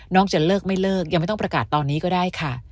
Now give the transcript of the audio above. จะเลิกไม่เลิกยังไม่ต้องประกาศตอนนี้ก็ได้ค่ะ